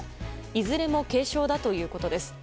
いずれも軽症だということです。